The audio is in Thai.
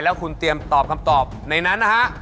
แล้วคุณเตรียมตอบคำตอบในนั้นนะฮะ